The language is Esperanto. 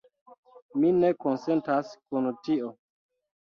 Mi ne konsentas kun tio.